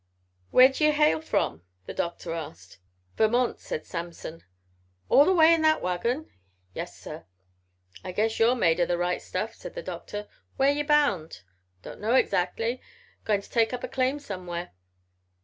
"Where do ye hail from?" the Doctor asked. "Vermont," said Samson. "All the way in that wagon?" "Yes, sir." "I guess you're made o' the right stuff," said the Doctor. "Where ye bound?" "Don't know exactly. Going to take up a claim somewhere."